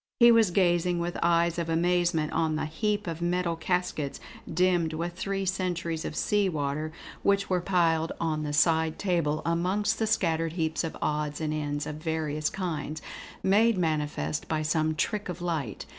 He was gazing with eyes of amazement on the heap of metal caskets, dimmed with three centuries of sea water, which were piled on the side table amongst the scattered heaps of odds and ends of various kinds, made manifest by some trick of light.